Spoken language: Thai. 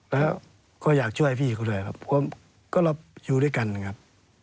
แล้วก็อยากช่วยพี่เขาด้วยครับก็เราอยู่ด้วยกันนะครับ